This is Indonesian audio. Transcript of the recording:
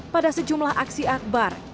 pada sejumlah aksi akbar